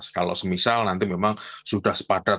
kalau semisal nanti memang sudah sepadat